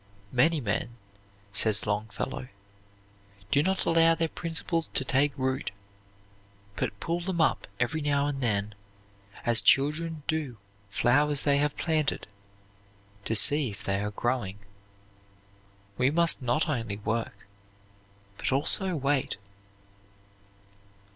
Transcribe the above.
"Many men," says Longfellow, "do not allow their principles to take root, but pull them up every now and then, as children do flowers they have planted, to see if they are growing." We must not only work, but also wait.